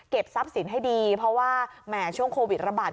ทรัพย์สินให้ดีเพราะว่าแหมช่วงโควิดระบาด